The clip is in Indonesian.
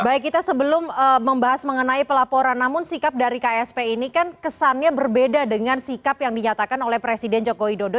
baik kita sebelum membahas mengenai pelaporan namun sikap dari ksp ini kan kesannya berbeda dengan sikap yang dinyatakan oleh presiden joko widodo